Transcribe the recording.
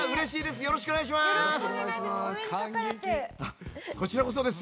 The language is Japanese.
よろしくお願いします。